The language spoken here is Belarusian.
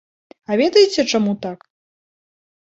А ведаеце, чаму так?